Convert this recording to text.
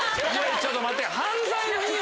ちょっと待て。